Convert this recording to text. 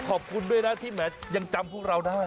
ขอบคุณด้วยนะที่แหมยังจำพวกเราได้